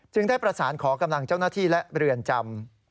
ได้ประสานขอกำลังเจ้าหน้าที่และเรือนจำ